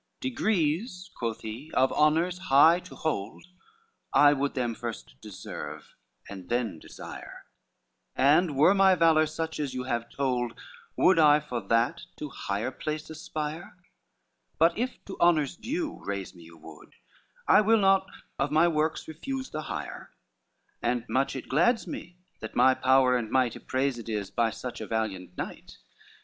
XIV "Degrees," quoth he, "of honors high to hold, I would them first deserve, and the desire; And were my valor such as you have told, Would I for that to higher place aspire: But if to honors due raise me you would, I will not of my works refuse the hire; And much it glads me, that my power and might Ypraised is by such a valiant knight.